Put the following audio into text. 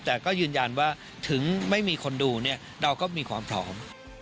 แต่ก็ยืนยันว่าถึงไม่มีคนดูเนี่ยเราก็มีความพร้อม